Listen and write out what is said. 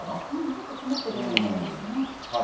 ちょっと曇ってるように見えますね。